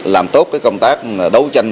làm tốt công tác đấu tranh